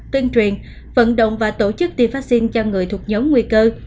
tuyên truyền vận động và tổ chức tiêm vaccine cho người thuộc nhóm nguy cơ